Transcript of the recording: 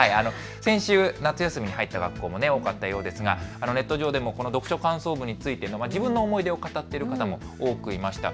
先週夏休みに入った学校も多かったようですがネット上でも読書感想文について自分の思い出を語っている方も多くいました。